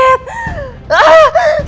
tapi faktornya hal ini lebihquin